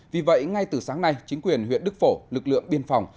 vì vậy ngay từ sáng nay chính quyền huyện đức phổ lực lượng biên phòng